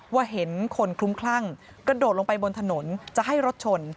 ว่าเห็นคนคลุ้มคลั่งกระโดดลงไปบนถนนจะให้รถชน